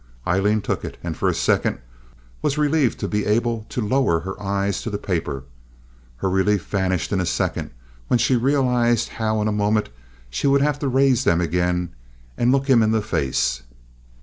Aileen took it, and for a second was relieved to be able to lower her eyes to the paper. Her relief vanished in a second, when she realized how in a moment she would have to raise them again and look him in the face.